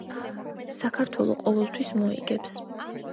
საქართველო ყოველთვის მოიგებს!